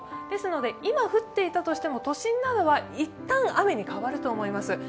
ですので、今降っていたとしても都心などは一旦雨に変わると思います。